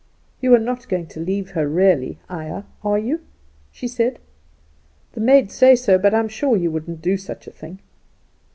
"You are not going to leave her really, Ayah, are you?" she said. "The maids say so; but I'm sure you wouldn't do such a thing."